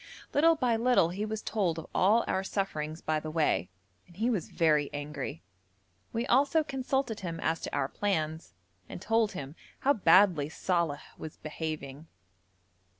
Little by little he was told of all our sufferings by the way, and was very angry. We also consulted him as to our plans, and told him how badly Saleh was behaving.